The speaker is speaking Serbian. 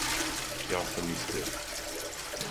Ја сам мислио.